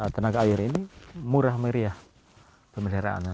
tenaga air ini murah meriah pemeliharaannya